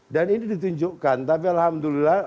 dan ini ditunjukkan tapi alhamdulillah